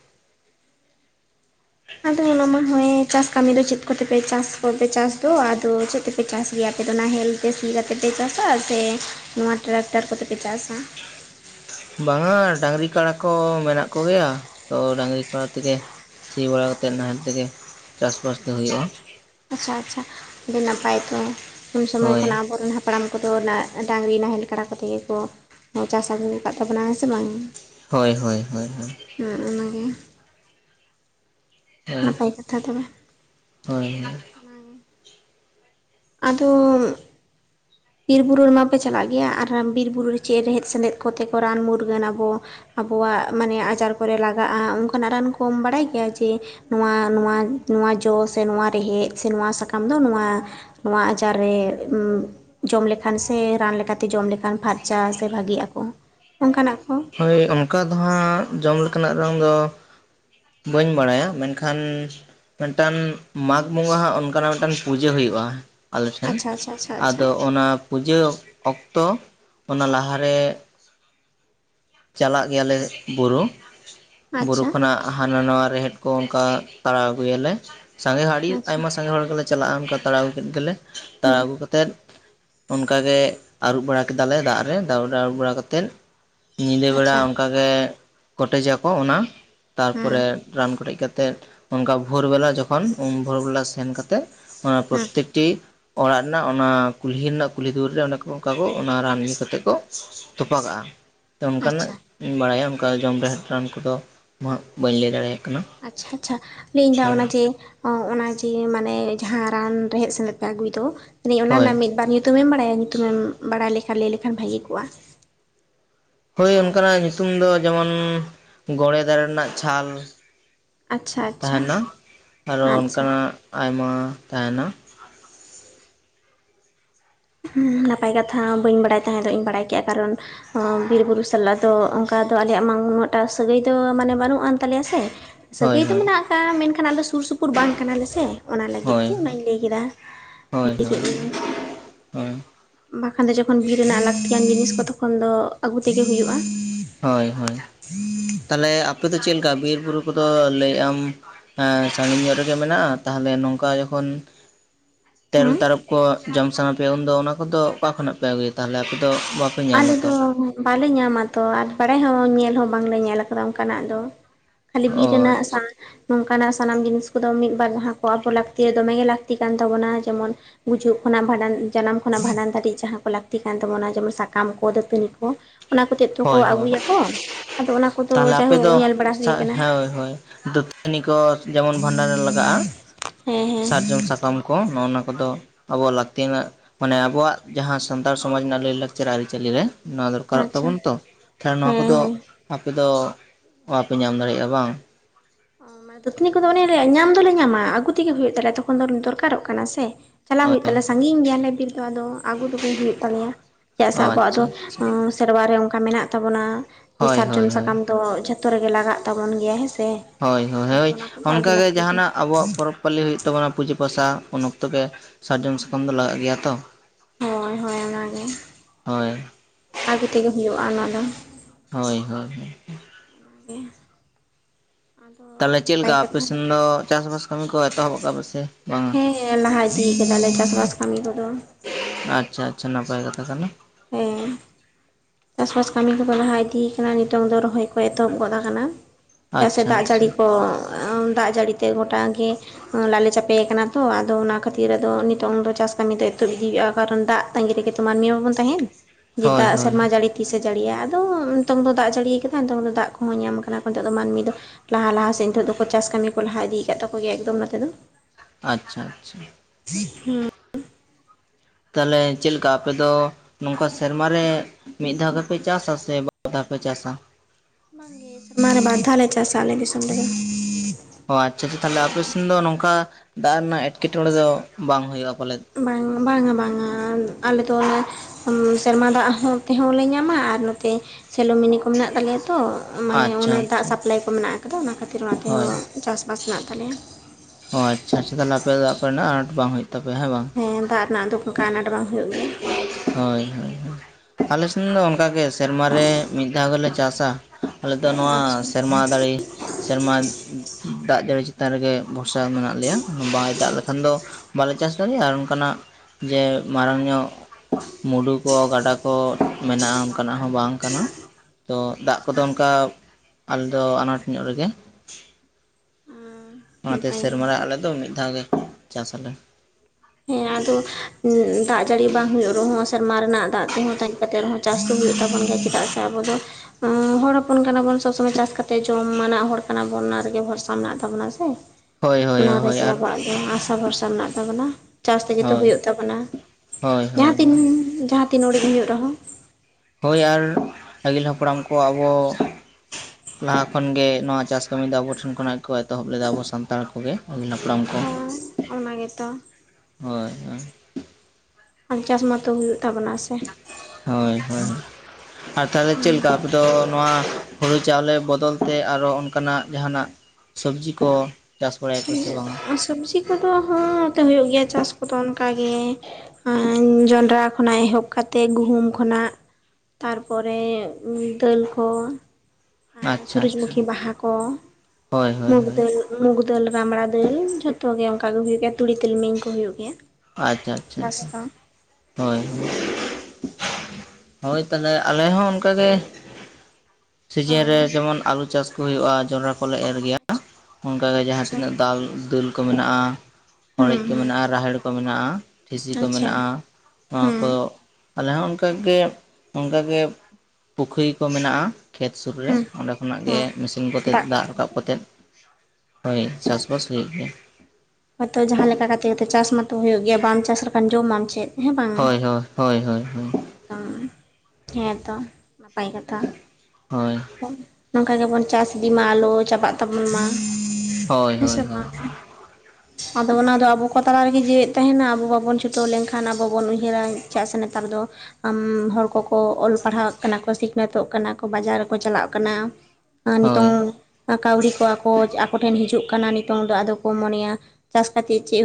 [SPEAKER 1] ᱟᱫᱚ ᱚᱱᱟ ᱢᱟ ᱦᱮ ᱪᱟᱥ ᱠᱟᱹᱢᱤ ᱫᱚ ᱪᱮᱫ ᱠᱚᱛᱮᱯᱮ ᱪᱟᱥ ᱠᱚᱯᱮ ᱪᱟᱥ ᱫᱚ ᱟᱫᱚ ᱪᱮᱫ ᱛᱮᱯᱮ ᱪᱟᱥ ᱜᱮᱭᱟ ᱟᱯᱮ ᱫᱚ ᱱᱟᱦᱮᱞ ᱵᱮᱥ ᱞᱮᱠᱟᱛᱮ ᱯᱮ ᱪᱟᱥᱟ ᱥᱮ ᱱᱚᱣᱟ ᱴᱨᱟᱠᱴᱟᱨ ᱠᱚᱛᱮᱯᱮ ᱪᱟᱥᱟ
[SPEAKER 2] [UNINTELLIGIBLE] ᱵᱟᱝᱟ ᱰᱟᱹᱝᱨᱤ ᱠᱟᱰᱟ ᱠᱚ ᱢᱮᱱᱟᱜ ᱠᱚᱜᱮᱭᱟ ᱛᱚ ᱰᱟ. ᱝᱨᱤ ᱠᱟᱰᱟ ᱛᱮᱜᱮ ᱥᱤ ᱵᱟᱲᱟ ᱠᱟᱛᱮᱫ ᱱᱟᱦᱮᱞ ᱛᱮᱜᱮ ᱪᱟᱥ ᱵᱟᱥ ᱫᱚ ᱦᱩᱭᱩᱜᱼᱟ
[SPEAKER 1] ᱟᱪᱪᱷᱟ ᱟᱪᱪᱷᱟ ᱟᱹᱰᱤ ᱱᱟᱯᱟᱭ ᱛᱚ ᱩᱱ ᱥᱚᱢᱚᱭ
[SPEAKER 2] ᱦᱳᱭ
[SPEAKER 1] ᱠᱷᱚᱱᱟᱜ ᱟᱵᱚᱨᱮᱱ ᱦᱟᱯ ᱲᱟᱢ ᱠᱚᱫᱚ ᱚᱱᱟ ᱰᱟᱹᱝᱨᱤ ᱱᱟᱦᱮᱞ ᱠᱟᱰᱟ ᱠᱚᱛᱮᱜᱮ ᱠᱚ ᱪᱟᱥ ᱟᱹᱜᱩ ᱠᱟᱜ ᱛᱟᱵᱚᱱᱟ ᱦᱮ ᱥᱮ ᱵᱟᱝ
[SPEAKER 2] ᱦᱳᱭ ᱦᱳᱭ ᱦᱳᱭ
[SPEAKER 1] [UNINTELLIGIBLE] ᱚᱱᱟᱜᱮ ᱱᱟᱯᱟᱭ ᱠᱟᱛᱷᱟ ᱛᱚᱵᱮ
[SPEAKER 2] ᱦᱳᱭ
[SPEAKER 1] ᱚᱱᱟᱜᱮ ᱟᱫᱚ ᱵᱤᱨ ᱵᱩᱨᱩ ᱨᱮᱢᱟᱯᱮ ᱪᱟᱞᱟᱜ ᱜᱮᱭᱟ ᱟᱨ ᱵᱤᱨ ᱵᱩᱨᱩ ᱨᱮ ᱪᱮᱫ ᱨᱮᱦᱮᱫ ᱥᱮᱸᱫᱮᱫ ᱠᱚᱛᱮ ᱠᱚ ᱨᱟᱱ ᱢᱩᱨᱜᱟᱹᱱ ᱟᱵᱚ ᱟᱵᱚᱣᱟᱜ ᱢᱟᱱᱮ ᱟᱡᱟᱨ ᱠᱚᱨᱮ ᱞᱟᱜᱟᱜᱼᱟ ᱚᱱᱠᱟᱱᱟᱜ ᱨᱟᱱ ᱠᱚᱢ ᱵᱟᱲᱟᱭ ᱜᱮᱭᱟ ᱡᱮ [UNINTELLIGIBLE] [UNINTELLIGIBLE] ᱱᱚᱣᱟ ᱡᱚ ᱥᱮ ᱱᱚᱣᱟ ᱨᱮᱦᱮᱫ ᱥᱮ ᱱᱚᱣᱟ ᱥᱟᱠᱟᱢ ᱫᱚ ᱱᱚᱣᱟ ᱱᱚᱣᱟ ᱟᱡᱟᱨ ᱨᱮ ᱡᱚᱢ ᱞᱮᱠᱷᱟᱱ ᱥᱮ ᱨᱟᱱ ᱞᱮᱠᱟ ᱛᱮ ᱡᱚᱢ ᱞᱮᱠᱷᱟᱱ ᱯᱷᱟᱨᱪᱟ ᱥᱮ ᱵᱷᱟᱜᱤᱜ ᱟᱠᱚ ᱚᱱᱠᱟᱱᱟᱜ ᱠᱚ
[SPEAKER 2] ᱦᱳᱭ ᱚᱱᱠᱟ ᱫᱚ ᱦᱟᱸᱜ ᱡᱚᱢ ᱞᱮᱠᱟᱱᱟᱜ ᱨᱟᱱ ᱫᱚ ᱵᱟᱹᱧ ᱵᱟᱲᱟᱭᱟ ᱢᱮᱱᱠᱷᱟᱱ ᱢᱤᱫᱴᱮᱱ ᱢᱟᱜᱽ ᱵᱚᱸᱜᱟ ᱦᱟᱸᱜ ᱚᱱᱠᱟᱱᱟᱜ ᱢᱤᱫᱴᱟᱝ ᱯᱩᱡᱟᱹ ᱦᱩᱭᱩᱜᱼᱟ᱾ ᱟᱞᱮ ᱴᱷᱮᱱ
[SPEAKER 1] ᱟᱪᱪᱷᱟ ᱟᱪᱪᱷᱟ ᱟᱪᱪᱷᱟ ᱟᱪᱪᱷᱟ
[SPEAKER 2] ᱟᱫᱚ ᱚᱱᱟ ᱯᱩᱡᱟᱹ ᱚᱠᱛᱚ ᱚᱱᱟ ᱞᱟᱦᱟ ᱨᱮ ᱪᱟᱞᱟᱜ ᱜᱮᱭᱟ ᱞᱮ ᱵᱩᱨᱩ [UNINTELLIGIBLE] ᱵᱩᱨᱩ
[SPEAKER 1] ᱟᱪᱪᱷᱟ
[SPEAKER 2] ᱠᱷᱚᱱᱟᱜ ᱦᱟᱱᱟ ᱱᱟᱣᱟ ᱨᱮᱦᱮᱫ ᱠᱚ ᱚᱱᱠᱟ ᱛᱟᱲᱟᱣ ᱟᱹᱜᱩᱭ ᱟᱞᱮ ᱥᱟᱸᱜᱮ ᱟᱹᱰᱤ
[SPEAKER 1] ᱟᱪᱪᱷᱟ
[SPEAKER 2] ᱟᱭᱢᱟ ᱥᱟᱸᱜᱮ ᱦᱚᱲ ᱜᱮᱞᱮ ᱪᱟᱞᱟᱜ-ᱟ ᱚᱱᱠᱟ ᱛᱟᱲᱟᱣ ᱟᱹᱜᱩ ᱠᱮᱫ ᱜᱮᱞᱮ ᱛᱟᱲᱟᱣ
[SPEAKER 1] ᱦᱩᱸ
[SPEAKER 2] ᱟᱹᱜᱩ ᱠᱟᱛ ᱮᱫ ᱚᱱᱠᱟ ᱜᱮ ᱟᱹᱨᱩᱵ ᱵᱟᱲᱟ ᱠᱮᱫᱟ ᱞᱮ ᱫᱟᱜ ᱨᱮ ᱛᱟᱯᱚᱨᱮ ᱟᱹᱨᱩᱵ ᱵᱟᱲᱟ ᱠᱟᱛᱮᱫ ᱧᱤᱫᱟᱹ ᱵᱮᱲᱟ
[SPEAKER 1] ᱟᱪᱪᱷᱟ
[SPEAKER 2] ᱚᱱᱠᱟ ᱜᱮ ᱠᱚᱴᱮᱡᱟᱠᱚ ᱚᱱᱟ
[SPEAKER 1] ᱦᱩᱸ
[SPEAKER 2] ᱛᱟᱨᱯᱚᱨᱮ ᱨᱟᱱ ᱠᱚᱴᱮᱡ ᱠᱟᱛᱮᱫ ᱚᱱᱠᱟ ᱵᱷᱳᱨ ᱵᱮᱞᱟ ᱡᱚᱠᱷᱚᱱ ᱩᱱ ᱵᱷᱳᱨ ᱵᱮᱞᱟ ᱥᱮᱱ ᱠᱟᱛᱮᱫ ᱚᱱᱟ
[SPEAKER 1] ᱦᱩᱸ
[SPEAKER 2] ᱯᱨᱚᱛᱮᱠᱴᱤ ᱚᱲᱟᱜ ᱨᱮᱱᱟᱜ ᱚᱱᱟ ᱠᱩᱞᱦᱤ ᱨᱮᱱᱟᱜ ᱠᱩᱞᱦᱤ ᱫᱩᱣᱟᱹᱨ ᱨᱮ ᱚᱱᱠᱟ ᱠᱚ ᱚᱱᱟ ᱨᱟᱱ ᱧᱩ ᱠᱟᱛᱮᱫ ᱠᱚ ᱛᱚᱯᱟᱠᱟᱜᱼᱟ ᱛᱚ ᱚᱱᱠᱟᱱᱟᱜ
[SPEAKER 1] ᱟᱪᱪᱷᱟ
[SPEAKER 2] ᱵᱟᱲᱟᱭᱟᱢ ᱚᱱᱠᱟ ᱡᱚᱢ ᱨᱮᱦᱮᱫ ᱨᱟᱱ ᱠᱚᱫᱚ ᱦᱟᱸᱜ ᱵᱟᱹᱧ ᱞᱟᱹᱭ ᱫᱟᱲᱮᱭᱟᱜ ᱠᱟᱱᱟ
[SPEAKER 1] ᱟᱪᱪᱷᱟ ᱟᱪᱪᱷᱟ ᱞᱟᱹᱭ ᱤᱧ ᱫᱟ ᱚᱱᱟ ᱡᱮ ᱚᱸ ᱚᱱᱟ ᱡᱮ ᱢᱟᱱᱮ ᱡᱟᱦᱟᱸ ᱨᱟᱱ ᱨᱮᱦᱮᱫ ᱥᱮᱸᱫᱮᱫ ᱯᱮ ᱟᱹᱜᱩᱭ ᱫᱚ ᱢᱮᱫᱟᱹᱧ ᱚᱱᱟ
[SPEAKER 2] ᱦᱳᱭ
[SPEAKER 1] ᱨᱮᱱᱟᱜ ᱢᱤᱫ ᱵᱟᱨ ᱧᱩ ᱛᱩᱢ ᱮᱢ ᱵᱟᱲᱟᱭᱟ ᱧᱩᱛᱩᱢ ᱮᱢ ᱵᱟᱲᱟᱭ ᱞᱮᱠᱷᱟᱱ ᱞᱟᱹᱭ ᱞᱮᱠᱷᱟᱱ ᱵᱷᱟᱹᱜᱤ ᱠᱚᱜ-ᱟ᱾
[SPEAKER 2] ᱦᱳᱭ ᱚᱱᱠᱟᱱᱟᱜ ᱧᱩᱛᱩᱢ ᱫᱚ ᱡᱮᱢᱚᱱ ᱜᱚᱲᱮ ᱫᱟᱨᱮ ᱨᱮᱱᱟᱜ ᱪᱷᱟᱞ
[SPEAKER 1] ᱟᱪᱪᱷᱟ ᱟᱪᱪᱷᱟ
[SPEAKER 2] ᱛᱟᱦᱮᱱᱟ ᱟᱨᱚ
[SPEAKER 1] ᱟᱪᱪᱷᱟ
[SPEAKER 2] ᱚᱱᱠᱟᱱᱟᱜ ᱟᱭᱢᱟ ᱛᱟᱦᱮᱱᱟ
[SPEAKER 1] ᱦᱩᱸ ᱱᱟᱯᱟᱭ ᱠᱟᱛᱷᱟ ᱵᱟᱹᱧ ᱵᱟᱲᱟᱭ ᱛᱟᱦᱮᱸᱫ ᱫᱚ ᱤᱧ ᱵᱟᱲᱟᱭ ᱠᱮᱫ-ᱟ ᱠᱟᱨᱚᱱ ᱦᱚᱸ ᱵᱤᱨ ᱵᱩᱨᱩ ᱥᱟᱞᱟᱜ ᱫᱚ ᱚᱱᱠᱟ ᱫᱚ ᱟᱞᱮᱭᱟᱜ ᱢᱟ ᱩᱱᱟᱹᱜᱴᱟ ᱥᱟᱹᱜᱟᱹᱭ ᱫᱚ ᱢᱟᱱᱮ ᱵᱟᱹᱱᱩᱜ ᱟᱱ ᱛᱟᱞᱮᱭᱟ ᱥᱮ
[SPEAKER 2] ᱦᱳᱭ
[SPEAKER 1] ᱥᱟᱹᱜᱟᱹᱭ ᱫᱚ
[SPEAKER 2] ᱦᱳᱭ
[SPEAKER 1] ᱢᱮᱱᱟᱜ ᱟᱠᱟᱜ-ᱟ ᱢᱮᱱᱠᱷᱟᱱ ᱟᱞᱮ ᱫᱚ ᱥᱩᱨ ᱥᱩᱯ ᱩᱨ ᱵᱟᱝ ᱠᱟᱱᱟᱞᱮ ᱥᱮ ᱚᱱᱟ ᱞᱟᱹᱜᱤᱫ
[SPEAKER 2] ᱦᱳᱭ
[SPEAKER 1] ᱛᱮ ᱚᱱᱟᱧ ᱞᱟᱹᱭ ᱠᱮᱫᱟ
[SPEAKER 2] ᱦᱳᱭ ᱦᱳᱭ
[SPEAKER 1] [UNINTELLIGIBLE]
[SPEAKER 2] ᱦᱳᱭ
[SPEAKER 1] ᱵᱟᱠᱷᱟᱱ ᱫᱚ ᱡᱚᱠᱷᱚᱱ ᱵᱤᱨ ᱨᱮᱱᱟᱜ ᱞᱟᱹᱠᱛᱤᱭᱟᱱ ᱡᱤᱱᱤᱥ ᱠᱚ ᱛᱚᱠᱷᱚᱱ ᱫᱚ ᱟᱹᱜᱩ ᱛᱮᱜᱮ ᱦᱩᱭᱩᱜᱼᱟ
[SPEAKER 2] ᱦᱚᱭ ᱦᱚᱭ ᱛᱟᱦᱞᱮ ᱟᱯᱮ ᱫᱚ ᱪᱮᱫ ᱞᱮᱠᱟ ᱵᱤᱨ ᱵᱩᱨᱩ ᱠᱚᱫᱚ ᱞᱟᱹᱭᱮᱫ ᱟᱢ ᱮᱸ ᱥᱟᱸᱜᱤᱧ ᱧᱚᱜ ᱨᱮᱜᱮ ᱢᱮᱱᱟᱜ-ᱟ ᱛᱟᱦᱚᱞᱮ ᱱᱚᱝᱠᱟ ᱡᱚᱠᱷᱚᱱ ᱛᱮᱨᱮᱞ
[SPEAKER 1] ᱦᱮᱸ
[SPEAKER 2] ᱛᱟᱨᱚᱯ ᱠᱚ ᱡᱚᱢ ᱥᱟᱱᱟ ᱯᱮᱭᱟ ᱩᱱᱫᱚ ᱚᱱᱟ ᱠᱚᱫᱚ ᱚᱠᱟ ᱠᱷᱚᱱᱟᱜ ᱯᱮ ᱟᱹᱜᱩᱭᱟ ᱛᱟᱦᱚᱞᱮ ᱟᱯᱮ ᱫᱚ ᱵᱟᱯ
[SPEAKER 1] ᱟᱞᱮ ᱫᱚ ᱵᱟᱞᱮ ᱧᱟᱢ ᱟ ᱛᱚ ᱟᱨ ᱵᱟᱲᱟᱭ ᱦᱚᱸ ᱧᱮᱞ ᱦᱚᱸ ᱵᱟᱝᱞᱮ ᱧᱮᱞ ᱟᱠᱟᱫᱟ ᱚᱱᱠᱟᱱᱟᱜ ᱫᱚ ᱠᱷᱟᱹᱞᱤ
[SPEAKER 2] ᱚ
[SPEAKER 1] ᱵᱤᱨ ᱨᱮᱱᱟᱜ ᱥᱟᱸ ᱱᱚᱝᱠᱟᱱᱟᱜ ᱥᱟᱱᱟᱢ ᱡᱤᱱᱤᱥ ᱠᱚᱫᱚ ᱢᱤᱫ ᱵᱟᱨ ᱡᱟᱦᱟᱸ ᱠᱚ ᱟᱵᱚ ᱞᱟᱹᱠᱛᱤ ᱫᱚᱢᱮ ᱜᱮ ᱞᱟᱹᱠᱛᱤ ᱠᱟᱱ ᱛᱟᱵᱚᱱᱟ ᱡᱮᱢᱚᱱ ᱜᱩᱡᱩᱜ ᱠᱷᱚᱱᱟᱜ ᱵᱷᱟᱸᱰᱟᱱ ᱡᱟᱱᱟᱢ ᱠᱷᱚᱱᱟᱜ ᱵᱷᱟᱸᱰᱟᱱ ᱫᱷᱟᱹᱨᱤᱡ ᱡᱟᱦᱟᱸ ᱠᱚ ᱞᱟᱹᱠᱛᱤ ᱠᱟᱱ ᱛᱟᱵᱚᱱᱟ ᱡᱮᱢᱚᱱ ᱥᱟᱠ ᱠᱟᱢ ᱠᱚ ᱫᱟᱹᱛᱟᱹᱱᱤ ᱠᱚ ᱚᱱᱟ ᱠᱚᱛᱮᱫ ᱛᱚᱠᱚ
[SPEAKER 2] ᱦᱳᱭ ᱦᱳᱭ
[SPEAKER 1] ᱟᱹᱜᱩᱭᱟ ᱠᱚ ᱟᱫᱚ ᱚᱱᱟ ᱠᱚᱫᱚ
[SPEAKER 2] ᱛᱟᱦᱚᱞᱮ ᱟᱯᱮ
[SPEAKER 1] ᱡᱟᱭᱦᱳᱠ
[SPEAKER 2] ᱫᱚ
[SPEAKER 1] ᱧᱮᱞ ᱵᱟᱲᱟ ᱦᱩᱭ ᱠᱟᱱᱟ
[SPEAKER 2] ᱦᱳᱭ ᱦᱳᱭ ᱫᱟᱹᱛᱟᱹᱱᱤ ᱠᱚ ᱡᱮᱢᱚᱱ ᱵᱷᱟᱸᱰᱟᱱ ᱨᱮ ᱞᱟᱜᱟᱜ-ᱟ
[SPEAKER 1] ᱦᱮᱸ ᱦᱮᱸ
[SPEAKER 2] ᱥᱟᱨᱡᱚᱢ ᱥᱟᱠᱟᱢ ᱠᱚ ᱱᱚᱜ ᱚᱱᱟ ᱠᱚᱫᱚ ᱟᱵᱚᱣᱟᱜ ᱞᱟᱹᱠᱛᱤ ᱟᱱᱟᱜ ᱢᱟᱱᱮ ᱟᱵᱚᱣᱟᱜ ᱡᱟᱦᱟᱸ ᱥᱟᱱᱛᱟᱲ ᱥᱚᱢᱟᱡᱽ ᱨᱮᱱᱟᱜ ᱞᱟᱹᱭ ᱞᱟᱠᱪᱟᱨ ᱟᱹᱨᱤᱪᱟᱹᱞᱤ ᱨᱮ ᱱᱚᱣᱟ ᱫᱚᱨᱠᱟᱨᱚᱜ
[SPEAKER 1] ᱟᱪᱪᱷᱟ
[SPEAKER 2] ᱛᱟᱵᱚᱱ ᱛᱚ ᱠᱷᱟᱱ ᱱᱚᱣᱟ
[SPEAKER 1] ᱦᱮᱸ
[SPEAKER 2] ᱠᱚᱫᱚ
[SPEAKER 1] ᱦᱮᱸ
[SPEAKER 2] ᱟᱯᱮ ᱫᱚ ᱵᱟᱯᱮ ᱧᱟᱢ ᱫᱟᱲᱮᱭᱟᱜ-ᱟ ᱵᱟᱝ
[SPEAKER 1] ᱚᱸ ᱢᱟᱱᱮ ᱫᱟᱹᱛᱟᱹᱱᱤ ᱠᱚᱫᱚ ᱚᱱᱮᱮ ᱞᱮ ᱧᱟᱢ ᱫᱚᱞᱮ ᱧᱟᱢᱟ ᱟᱹᱜᱩ ᱛᱮᱜᱤ ᱦᱩᱭᱩᱜ ᱛᱟᱞᱮᱭᱟ ᱛᱚᱠᱷᱚᱱ ᱫᱚ ᱫᱚᱨᱠᱟᱨᱚᱜ ᱠᱟᱱᱟ ᱥᱮ ᱪᱟᱞᱟᱜ ᱦᱩᱭᱩᱜ
[SPEAKER 2] ᱦᱳᱭ
[SPEAKER 1] ᱛᱟᱞᱮᱭᱟ
[SPEAKER 2] ᱦᱳᱭ
[SPEAKER 1] ᱥᱟᱸᱜᱤᱧ ᱜᱮᱭᱟᱞᱮ ᱵᱤᱨ ᱫᱚ ᱟᱫᱚ ᱟᱹᱜᱩ ᱫᱩᱜᱮ ᱦᱩᱭᱩᱜ ᱛᱟᱞᱮᱭᱟ ᱪᱮᱫᱟᱜ ᱥᱮ
[SPEAKER 2] ᱚ
[SPEAKER 1] ᱟᱵᱚᱣᱟᱜ
[SPEAKER 2] ᱟᱪᱪᱷᱟ
[SPEAKER 1] ᱫᱚ
[SPEAKER 2] ᱟᱪᱪᱷᱟ
[SPEAKER 1] ᱟᱸ ᱥᱮᱨᱣᱟ ᱨᱮ ᱚᱱᱠᱟ ᱢᱮᱱᱟᱜ ᱛᱟᱵᱚᱱᱟ ᱡᱮ
[SPEAKER 2] ᱦᱳᱭ
[SPEAKER 1] ᱥᱟᱨᱡᱚᱢ
[SPEAKER 2] ᱦᱳᱭ ᱦᱳᱭ
[SPEAKER 1] ᱥᱟᱠᱟᱢ ᱫᱚ ᱡᱷᱚᱛᱚ ᱨᱮᱜᱮ ᱞᱟᱜᱟᱜ ᱛᱟᱵᱚᱱ ᱜᱮᱭᱟ ᱦᱮᱸ ᱥᱮ
[SPEAKER 2] ᱦᱳᱭ ᱦᱳᱭ ᱦᱳᱭ ᱚᱱᱠᱟ ᱜᱮ ᱡᱟᱦᱟᱱᱟᱜ ᱟᱵᱚᱣᱟᱜ ᱯᱚᱨᱚᱵᱽ ᱯᱟᱞᱤ ᱦᱩᱭᱩᱜ ᱛᱟᱵᱚᱱᱟ ᱯᱩᱡᱟᱹ ᱯᱟᱥᱟ ᱩᱱ ᱚᱠᱛᱚ ᱜᱮ ᱥᱟᱨᱡᱚᱢ ᱥᱟᱠᱟᱢ ᱫᱚ ᱞᱟᱜᱟᱜ ᱜᱮᱭᱟ ᱛᱚ
[SPEAKER 1] ᱦᱚᱭ ᱦᱚᱭ ᱚᱱᱟ ᱜᱮ
[SPEAKER 2] ᱦᱳᱭ
[SPEAKER 1] ᱟᱹᱜᱩ ᱛᱮᱜᱮ ᱦᱩᱭᱩᱜ-ᱟ ᱚᱱᱟ ᱫᱚ
[SPEAKER 2] ᱦᱚᱭ ᱦᱚᱭ ᱦᱚᱭ
[SPEAKER 1] ᱜᱮ
[SPEAKER 2] ᱛᱟᱦᱚᱞᱮ ᱪᱮᱫ ᱞᱮᱠᱟ ᱟᱯᱮ ᱥᱮᱱ ᱫᱚ ᱪᱟᱥᱵᱟᱥ ᱠᱟᱹᱢᱤ ᱠᱚ ᱮᱛᱚᱦᱚᱵ ᱟᱠᱟᱜ ᱯᱮᱥᱮ ᱵᱟᱝ-ᱟ
[SPEAKER 1] ᱦᱮᱸ ᱞᱟᱦᱟ ᱤᱫᱤ ᱠᱮᱫᱟᱞᱮ ᱪᱟᱥᱵᱟᱥ ᱠᱟᱹᱢᱤ ᱠᱚᱫᱚ
[SPEAKER 2] ᱟᱪᱪᱷᱟ ᱟᱪᱪᱷᱟ ᱱᱟᱯᱟᱭ ᱠᱟᱛᱷᱟ ᱠᱟᱱᱟ
[SPEAKER 1] ᱦᱮᱸ ᱪᱟᱥᱵᱟᱥ ᱠᱟᱹᱢᱤ ᱠᱚᱫᱚ ᱞᱟᱦᱟ ᱤᱫᱤ ᱠᱟᱱᱟ ᱱᱤᱛᱚᱝ ᱫᱚ ᱨᱚᱦᱚᱭ ᱠᱚ ᱮᱛᱚᱦᱚᱵ ᱜᱚᱫ ᱠᱟᱱᱟ ᱪᱮᱫᱟᱜ ᱥᱮ
[SPEAKER 2] ᱟᱪᱪᱷᱟ
[SPEAKER 1] ᱫᱟᱜ
[SPEAKER 2] ᱟᱪᱪᱷᱟ
[SPEAKER 1] ᱡᱟᱹᱲᱤ ᱠᱚ ᱫᱟᱜ ᱡᱟᱹᱲᱤᱛᱮ ᱜᱚᱴᱟ ᱜᱮ ᱞᱟᱞᱮ ᱪᱟᱯ ᱯᱮ ᱠᱟᱱᱟ ᱛᱚ ᱟᱫᱚ ᱚᱱᱟ ᱠᱷᱟᱹᱛᱤᱨ ᱟᱫᱚ ᱱᱤᱛᱚᱝ ᱫᱚ ᱪᱟᱥ ᱠᱟᱹᱢᱤ ᱫᱚ ᱮᱛᱚᱵ ᱤᱫᱤ ᱦᱩᱭᱩᱜᱼᱟ ᱠᱟᱨᱚᱱ ᱫᱟᱜ ᱛᱟᱹᱜᱤ ᱨᱮᱜᱮ ᱛᱚ ᱢᱟᱹᱱᱢᱤ ᱢᱟᱵᱚᱱ ᱛᱟᱦᱮᱱ ᱡᱮ
[SPEAKER 2] ᱦᱳᱭ
[SPEAKER 1] ᱫᱟᱜ
[SPEAKER 2] ᱦᱳᱭ
[SPEAKER 1] ᱥᱮᱨᱢᱟ ᱡᱟᱹᱲᱤ ᱛᱤᱥᱮ ᱡᱟᱹᱲᱤᱭᱟ ᱟᱫᱚ ᱱᱤᱛᱚᱝ ᱫᱚ ᱫᱟᱜ ᱡᱟᱹᱲᱤ ᱠᱟᱫᱟ ᱱᱤᱛᱚᱝ ᱫᱚ ᱫᱟᱜ ᱠᱚᱦᱚᱸ ᱧᱟᱢ ᱠᱟᱱᱟ ᱱᱤᱛᱚᱜ ᱫᱚ ᱢᱟᱹᱱᱢᱤ ᱫᱚ ᱞᱟᱦᱟ ᱞᱟᱦᱟ ᱥᱮᱫ ᱱᱤᱛᱚᱜ ᱫᱚᱠᱚ ᱪᱟᱥ ᱠᱟᱹᱢᱤ ᱠᱚ ᱞᱟᱦᱟ ᱤᱫᱤᱭ ᱟᱠᱟᱫ ᱛᱟᱠᱚ ᱜᱮᱭᱟ ᱮᱠᱫᱚᱢ ᱱᱚᱛᱮ ᱫᱚ᱾
[SPEAKER 2] ᱟᱪᱪᱷᱟ ᱟᱪᱪᱷᱟ
[SPEAKER 1] ᱦᱩᱸ
[SPEAKER 2] ᱛᱟᱦᱚᱞᱮ ᱪᱮᱫ ᱞᱮᱠᱟ ᱟᱯᱮ ᱫᱚ ᱱᱚᱝᱠᱟ ᱥᱮᱨᱢᱟ ᱨᱮ ᱢᱤᱫ ᱫᱷᱟᱣ ᱜᱮᱯᱮ ᱪᱟᱥᱟ ᱥᱮ ᱵᱟᱨ ᱫᱷᱟᱣ ᱯᱮ ᱪᱟᱥᱟ
[SPEAKER 1] ᱵᱟᱝ ᱜᱮ ᱥᱮᱨᱢᱟ ᱨᱮ ᱵᱟᱨᱫᱷᱟᱣ ᱞᱮ ᱪᱟᱥ-ᱟ ᱟᱞᱮ ᱫᱤᱥᱚᱢ ᱨᱮᱫᱚ
[SPEAKER 2] ᱚ ᱟᱪᱪᱷᱟ ᱛᱟᱦᱚᱞᱮ ᱟᱯᱮᱥᱮᱱ ᱫᱚ ᱱᱚᱝᱠᱟ ᱫᱟᱜ ᱨᱮᱱᱟᱜ ᱮᱴᱠᱮᱴᱚᱬᱮ ᱫᱚ ᱵᱟᱝ ᱦᱩᱭᱩᱜᱼᱟ ᱯᱟᱞᱮᱫ
[SPEAKER 1] ᱵᱟᱝ ᱵᱟᱝ-ᱟ ᱵᱟᱝ-ᱟ ᱟᱞᱮ ᱫᱚ ᱚᱱᱮ ᱤᱭᱟ. ᱥᱮᱨᱢᱟ ᱫᱟᱜ ᱦᱚᱸ ᱛᱮᱦᱚᱸ ᱞᱮ ᱧᱟᱢᱟ ᱟᱨ ᱱᱚᱛᱮ ᱥᱮᱞᱳᱢᱤᱱᱤ ᱠᱚ ᱠᱚ ᱢᱮᱱᱟᱜ ᱛᱟᱞᱮᱭᱟ ᱛᱚ ᱢᱟᱱᱮ
[SPEAKER 2] ᱟᱪᱪᱷᱟ
[SPEAKER 1] ᱚᱱᱟ ᱫᱟᱜ
[SPEAKER 2] ᱟᱪᱪᱷᱟ
[SPEAKER 1] ᱥᱟᱯᱞᱟᱭ ᱠᱚ ᱢᱮᱱᱟᱜ ᱟᱠᱟᱫᱟ ᱚᱱᱟ ᱠᱷᱟᱹᱛᱤᱨ ᱚᱱᱟ
[SPEAKER 2] ᱦᱳᱭ
[SPEAKER 1] ᱛᱮᱦᱚᱸ ᱪᱟᱥᱵᱟᱥ ᱢᱮᱱᱟᱜ ᱛᱟᱞᱮᱭᱟ᱾
[SPEAKER 2] ᱚ ᱟᱪᱪᱷᱟ ᱛᱟᱦᱚᱞᱮ ᱟᱯᱮᱭᱟᱜ ᱫᱟᱜ ᱠᱚᱨᱮ ᱱᱟᱜ ᱟᱱᱟᱴ ᱵᱟᱝ ᱦᱩᱭᱩᱜ ᱛᱟᱯᱮᱭᱟ ᱦᱮᱸ ᱵᱟᱝ᱾
[SPEAKER 1] ᱦᱮᱸ ᱫᱟᱜ ᱨᱮᱱᱟᱜ ᱫᱚ ᱚᱱᱠᱟ ᱟᱱᱟᱴ ᱵᱟᱝ ᱦᱩᱭᱩᱜ ᱜᱮᱭᱟ
[SPEAKER 2] ᱦᱳᱭ ᱦᱳᱭ ᱟᱞᱮ ᱥᱮᱱ ᱫᱚ ᱚᱱᱠᱟᱜᱮ ᱥᱮᱨᱢᱟ ᱨᱮ ᱢᱤᱫ ᱫᱷᱟᱣ ᱜᱮᱞᱮ ᱪᱟᱥᱟ᱾ ᱟᱞᱮ ᱫᱚ ᱱᱚᱣᱟ
[SPEAKER 1] ᱟᱪᱪᱷᱟ
[SPEAKER 2] ᱥᱮᱨᱢᱟ ᱫᱟᱲᱮ ᱥᱮᱨᱢᱟ ᱫᱟᱜ ᱡᱟᱹᱲᱤ ᱪᱮᱛᱟᱱ ᱨᱮᱜᱮ ᱵᱷᱚᱨᱥᱟ ᱢᱮᱱᱟᱜ ᱞᱮᱭᱟ ᱵᱟᱭ ᱫᱟᱜ ᱞᱮ ᱠᱷᱟᱱ ᱫᱚ ᱵᱟᱞᱮ ᱪᱟᱥ ᱫᱟᱲᱮᱭᱟᱜᱼᱟ ᱟᱨ ᱚᱱᱠᱟᱱᱟᱜ ᱡᱮ ᱢᱟᱨᱟᱝ ᱧᱚᱜ ᱢᱩᱰᱩ ᱠᱚ ᱜᱟᱰᱟ ᱠᱚ ᱢᱮᱱᱟᱜᱼᱟ ᱚᱱᱠᱟᱱᱟᱜ ᱦᱚᱸ ᱵᱟᱝ ᱠᱟᱱᱟ᱾ ᱛᱚ ᱫᱟᱜ
[SPEAKER 1] ᱟᱪᱪᱷᱟ
[SPEAKER 2] ᱠᱚᱫᱚ ᱚᱱᱠᱟ ᱟᱞᱮ ᱫᱚ ᱟᱱᱟᱴ ᱧᱚᱜ ᱨᱮᱜᱮ, ᱚᱱᱟᱛᱮ
[SPEAKER 1] ᱱᱟᱯᱟᱭ
[SPEAKER 2] ᱥᱮᱨᱢᱟ ᱨᱮ
[SPEAKER 1] ᱠᱟᱛᱷᱟ
[SPEAKER 2] ᱟᱞᱮᱫᱚ ᱢᱤᱫ ᱫᱷᱟᱣ ᱜᱮ ᱪᱟᱥ ᱟᱞᱮ᱾
[SPEAKER 1] ᱦᱮᱸ ᱟᱫᱚ ᱫᱟᱜ ᱡᱟᱹᱲᱤ ᱵᱟᱝ ᱦᱩᱭᱩᱜ ᱨᱮᱦᱚᱸ ᱥᱮᱨᱢᱟ ᱨᱮᱱᱟᱜ ᱫᱟᱜ ᱛᱮᱦᱚᱸ ᱛᱟᱺᱜᱤ ᱠᱟᱛᱮ ᱨᱮᱦᱚᱸ ᱪᱟᱥ ᱫᱚ ᱦᱩᱭᱩᱜ ᱛᱟᱵᱚᱱ ᱜᱮᱭᱟ ᱪᱮᱫᱟᱜ ᱥᱮ ᱟᱵᱚ ᱫᱚ ᱦᱚᱲ ᱦᱚᱯᱚᱱ ᱠᱟᱱᱟ ᱵᱚᱱ ᱥᱚᱵ ᱥᱚᱢᱚᱭ ᱪᱟᱥ ᱠᱟᱛᱮᱜ ᱡᱚᱢ ᱢᱟᱱᱟᱜ ᱦᱚᱲ ᱠᱟᱱᱟ ᱵᱚᱱ, ᱚᱱᱟ ᱨᱮᱜᱮ ᱵᱷᱚᱨᱥᱟ ᱢᱮᱱᱟᱜ ᱛᱟᱵᱚᱱᱟ ᱥᱮ᱾
[SPEAKER 2] ᱦᱳᱭ ᱦᱳᱭ
[SPEAKER 1] ᱚᱱᱟ
[SPEAKER 2] ᱦᱳᱭ
[SPEAKER 1] ᱨᱮᱜᱮ
[SPEAKER 2] ᱟᱨ
[SPEAKER 1] ᱟᱵᱚᱣᱟᱜ ᱫᱚ ᱟᱥᱟ ᱵᱷᱚᱨᱥᱟ ᱢᱮᱱᱟᱜ ᱛᱟᱵᱚᱱᱟ᱾ ᱪᱟᱥ ᱛᱮᱜᱮ ᱛᱚ
[SPEAKER 2] ᱦᱳᱭ
[SPEAKER 1] ᱦᱩᱭᱩᱜ ᱛᱟᱵᱚᱱᱟ᱾
[SPEAKER 2] ᱦᱳᱭ ᱦᱳᱭ
[SPEAKER 1] ᱡᱟᱦᱟᱸ ᱛᱤᱱ,
[SPEAKER 2] ᱦᱳᱭ
[SPEAKER 1] ᱡᱟᱦᱟᱸ ᱛᱤᱱ ᱚᱸᱲᱤᱱ ᱦᱩᱭᱩᱜ ᱨᱮᱦᱚᱸ᱾
[SPEAKER 2] ᱦᱳᱭ ᱟᱨ ᱟᱹᱜᱤᱞ ᱦᱟᱯᱲᱟᱢ ᱠᱚ ᱟᱵᱚ ᱞᱟᱦᱟ ᱠᱷᱚᱱ ᱜᱮ ᱱᱚᱣᱟ ᱪᱟᱥ ᱠᱟᱹᱢᱤ ᱫᱚ ᱟᱵᱚ ᱴᱷᱮᱱ ᱠᱷᱚᱱᱟᱜ ᱠᱚ ᱮᱛᱚᱦᱚᱵ ᱞᱮᱫᱟ ᱟᱵᱚ ᱥᱟᱱᱛᱟᱲ ᱠᱚᱜᱮ ᱯᱟᱹᱦᱤᱞ ᱦᱟᱯᱲᱟᱢ ᱠᱚ
[SPEAKER 1] ᱦᱚᱭ ᱚᱱᱟ ᱜᱮ ᱛᱚ᱾
[SPEAKER 2] ᱦᱳᱭ ᱦᱳᱭ
[SPEAKER 1] ᱟᱨ ᱪᱟᱥ ᱢᱟᱛᱳ ᱦᱩᱭᱩᱜ ᱛᱟᱵᱚᱱᱟ ᱥᱮ
[SPEAKER 2] ᱦᱳᱭ ᱦᱳᱭ ᱟᱨ ᱛᱟᱦᱚᱞᱮ ᱪᱮᱫ ᱞᱮᱠᱟ
[SPEAKER 1] ᱦᱮᱸ
[SPEAKER 2] ᱟᱯᱮ ᱫᱚ ᱱᱚᱣᱟ ᱦᱳᱲᱩ ᱪᱟᱣᱞᱮ ᱵᱚᱫᱚᱞ ᱛᱮ ᱟᱨᱚ ᱚᱱᱠᱟᱱᱟᱜ ᱡᱟᱦᱟᱱᱟᱜ ᱥᱚᱵᱽᱡᱤ ᱠᱚ᱾ ᱪᱟᱥ ᱵᱟᱲᱟᱭᱟᱯᱮ ᱥᱮ ᱵᱟᱝᱟ
[SPEAKER 1] ᱥᱚᱵᱽᱡᱤ ᱠᱚᱫᱚ ᱦᱚᱸ ᱱᱚᱛᱮ ᱦᱩᱭᱩᱜ ᱜᱮᱭᱟ ᱪᱟᱥ ᱠᱚᱫᱚ ᱚᱱᱠᱟᱜᱮ᱾ ᱡᱚᱸᱰᱨᱟ ᱠᱷᱚᱱᱟᱜ ᱮᱦᱚᱵ ᱠᱟᱛᱮ ᱜᱩᱦᱩᱢ ᱠᱷᱚᱱᱟᱜ ᱛᱟᱨᱯᱚᱨᱮ ᱫᱟᱹᱞ ᱠᱚ ᱟᱨ
[SPEAKER 2] ᱟᱪᱪᱷᱟ
[SPEAKER 1] ᱥᱩᱨᱩᱡ
[SPEAKER 2] ᱟᱪᱪᱷᱟ
[SPEAKER 1] ᱢᱩᱠᱷᱤ ᱵᱟᱦᱟ ᱠᱚ
[SPEAKER 2] ᱦᱳᱭ ᱦᱳᱭ
[SPEAKER 1] ᱢᱩᱜᱽ
[SPEAKER 2] ᱦᱳᱭ
[SPEAKER 1] ᱫᱟᱹᱞ ᱢᱩᱜᱽ ᱫᱟᱹᱞ, ᱨᱟᱢᱲᱟ ᱫᱟᱹᱞ ᱡᱷᱚᱛᱚ ᱜᱮ ᱚᱱᱠᱟ ᱜᱮ ᱦᱩᱭᱩᱜ ᱜᱮᱭᱟ ᱛᱩᱲᱤ, ᱛᱤᱞᱢᱤᱧ ᱠᱚ ᱦᱩᱭᱩᱜ ᱜᱮᱭᱟ᱾
[SPEAKER 2] ᱟᱪᱪᱷᱟ ᱟᱪᱪᱷᱟ
[SPEAKER 1] ᱪᱟᱥ
[SPEAKER 2] ᱟᱪᱪᱷᱟ ᱟᱪᱪᱷᱟ
[SPEAKER 1] ᱫᱚ
[SPEAKER 2] ᱦᱳᱭ, ᱦᱳᱭ ᱛᱟᱞᱦᱮ ᱟᱞᱮ ᱦᱚᱸ ᱚᱱᱠᱟ ᱜᱮ
[SPEAKER 1] ᱚ
[SPEAKER 2] ᱥᱤᱡᱤᱱ ᱨᱮ ᱡᱮᱢᱚᱱ ᱟᱹᱞᱩ ᱪᱟᱥ ᱠᱚ ᱦᱩᱭᱩᱜᱼᱟ ᱡᱚᱸᱰᱨᱟ ᱠᱚᱞᱮ ᱮᱨ ᱜᱮᱭᱟ ᱚᱱᱠᱟ ᱜᱮ ᱡᱟᱦᱟᱸ ᱛᱤᱱᱟᱹᱜ ᱫᱟᱞ ᱫᱟᱹᱞ ᱠᱚ ᱢᱮᱱᱟᱜᱼᱟ ᱦᱚᱲᱮᱡ ᱠᱚ ᱢᱮᱱᱟᱜᱼᱟ, ᱨᱟᱦᱮᱲ ᱠᱚ ᱢᱮᱱᱟᱜᱼᱟ, ᱴᱷᱤᱥᱤ ᱠᱚ ᱢᱮᱱᱟᱜᱼᱟ, ᱱᱚᱣᱟ ᱠᱚ ᱟᱞᱮ ᱦᱚᱸ ᱚᱱᱠᱟᱜᱮ ᱚᱱᱠᱟᱜᱮ ᱯᱩᱠᱷᱨᱤ ᱠᱚ ᱢᱮᱱᱟᱜᱼᱟ ᱠᱷᱮᱛ ᱥᱩᱨ ᱨᱮ ᱚᱸᱰᱮ ᱠᱷᱚᱱᱟᱜ ᱜᱮ
[SPEAKER 1] ᱦᱮᱸ
[SPEAKER 2] ᱢᱮᱥᱤᱱ ᱠᱚᱛᱮ ᱫᱟᱜ
[SPEAKER 1] ᱠᱟᱛᱮᱫ
[SPEAKER 2] ᱨᱟᱠᱟᱵ
[SPEAKER 1] ᱛᱮ
[SPEAKER 2] ᱠᱟᱛᱮᱜ ᱦᱳᱭ
[SPEAKER 1] ᱟᱪᱪᱷᱟ
[SPEAKER 2] ᱪᱟᱥ
[SPEAKER 1] ᱟᱪᱪᱷᱟ
[SPEAKER 2] ᱵᱟᱥ ᱦᱩᱭᱩᱜ ᱜᱮᱭᱟ᱾
[SPEAKER 1] ᱦᱚᱭᱛᱚ ᱡᱟᱦᱟᱸ ᱞᱮᱠᱟ ᱠᱟᱛᱮ ᱜᱮ ᱛᱚ ᱪᱟᱥ ᱢᱟᱛᱚ ᱦᱩᱭᱩᱜ ᱜᱮᱭᱟ ᱵᱟᱢ ᱪᱟᱥ ᱞᱮᱠᱷᱟᱱ ᱡᱚᱢᱟᱢ ᱪᱮᱫ? ᱦᱮᱸ ᱵᱟᱝ
[SPEAKER 2] ᱦᱳᱭ ᱦᱳᱭ, ᱦᱳᱭ ᱦᱳᱭ
[SPEAKER 1] ᱦᱮᱸᱛᱚ ᱱᱟᱯᱟᱭ ᱠᱟᱛᱷᱟ ᱾
[SPEAKER 2] ᱦᱳᱭ
[SPEAKER 1] ᱱᱚᱝᱠᱟ ᱜᱮᱵᱚᱱ ᱪᱟᱥ ᱤᱫᱤ ᱢᱟ ᱟᱞᱚ ᱪᱟᱵᱟᱜ ᱛᱟᱵᱚᱱ ᱢᱟ
[SPEAKER 2] ᱦᱳᱭ
[SPEAKER 1] ᱦᱮᱸ
[SPEAKER 2] ᱦᱳᱭ
[SPEAKER 1] ᱥᱮ
[SPEAKER 2] ᱦᱳᱭ
[SPEAKER 1] ᱵᱟᱝ᱾ ᱟᱫᱚ ᱚᱱᱟ ᱫᱚ ᱟᱵᱚ ᱠᱚ ᱛᱟᱞᱟ ᱨᱮᱜᱮ ᱡᱤᱣᱮᱭᱮᱫ ᱛᱟᱦᱮᱸᱱᱟ ᱟᱵᱚ ᱵᱟᱵᱚᱱ ᱪᱷᱩᱴᱟᱹᱣ ᱞᱮᱱᱠᱷᱟᱱ ᱟᱵᱚ ᱵᱚᱱ ᱩᱭᱦᱟᱹᱨᱟ ᱪᱮᱫᱟᱜ ᱥᱮ ᱱᱮᱛᱟᱨ ᱫᱚ ᱟᱢ, ᱦᱚᱲ ᱠᱚᱠᱚ ᱚᱞ ᱯᱟᱲᱦᱟᱜ ᱠᱟᱱᱟ ᱠᱚ ᱥᱤᱠᱷᱱᱟᱹᱛᱚᱜ ᱠᱟᱱᱟ ᱠᱚ ᱵᱟᱡᱟᱨ ᱨᱮᱠᱚ ᱪᱟᱞᱟᱜ ᱠᱟᱱᱟ ᱾ ᱟᱨ
[SPEAKER 2] ᱦᱳᱭ
[SPEAKER 1] ᱱᱤᱛᱚᱝ ᱠᱟᱹᱣᱰᱤ ᱠᱚ ᱟᱠᱚ, ᱟᱠᱚ ᱴᱷᱮᱱ ᱦᱤᱡᱩᱜ ᱠᱟᱱᱟ ᱱᱤᱛᱚᱝ ᱫᱚ ᱟᱫᱚ ᱠᱚ ᱢᱚᱱᱮᱭᱟ ᱪᱟᱥ ᱠᱟᱛᱮᱫ ᱪᱮᱫ ᱦᱩ